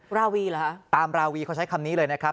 ราวีเหรอฮะตามราวีเขาใช้คำนี้เลยนะครับ